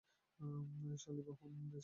Shalivahana the second?